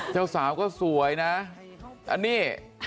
เจ้าสาวก็สวยนะอันนี้